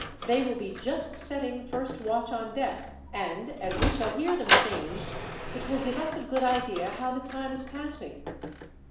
They will be just setting the first watch on deck, and, as we shall hear them changed, it will give us a good idea how the time is passing."